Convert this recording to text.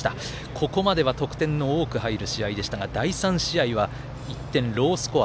ここまでは得点が多く入る試合でしたが第３試合は１点、ロースコア。